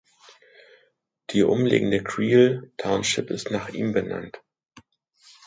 Die umliegende Creel Township ist nach ihm benannt.